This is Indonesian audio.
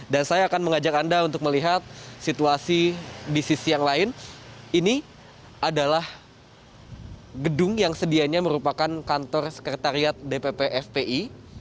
dan saya akan mengajak anda untuk melihat situasi di sisi yang lain ini adalah gedung yang sedianya merupakan kantor sekretariat dpp fpi